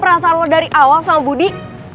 perasaan dari awal sama budi